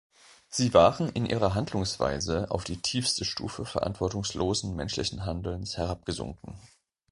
Sie waren in ihrer Handlungsweise auf die tiefste Stufe verantwortungslosen menschlichen Handelns herabgesunken.